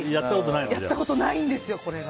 やったことないんですよ、これが。